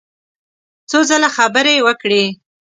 څو ځله خبرې وکړې.